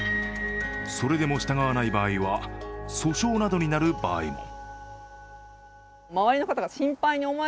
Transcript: それでも従わない場合は訴訟などになる場合も。